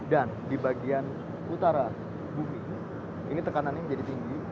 dan di bagian utara bumi ini tekanannya menjadi tinggi